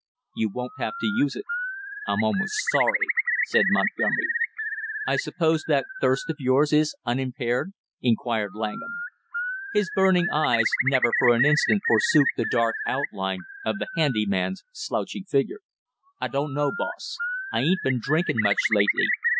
"You won't have to use it." "I'm almost sorry," said Montgomery. "I suppose that thirst of yours is unimpaired?" inquired Langham. His burning eyes never for an instant forsook the dark outline of the handy man's slouching figure. "I dunno, boss, I ain't been drinkin' much lately.